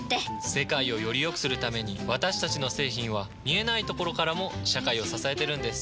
世界をよりよくするために私たちの製品は見えないところからも社会を支えてるんです。